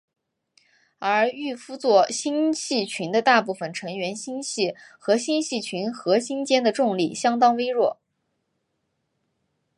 而玉夫座星系群的大部分成员星系和星系群核心间的重力相当微弱。